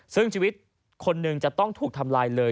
ซึ่งชีวิตคนหนึ่งจะต้องถูกทำลายเลย